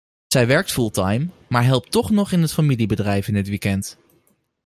Zij werkt fulltime, maar helpt toch nog in het familiebedrijf in het weekend.